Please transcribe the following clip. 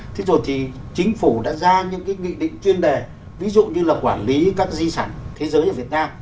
thế rồi thì chính phủ đã ra những cái nghị định chuyên đề ví dụ như là quản lý các di sản thế giới ở việt nam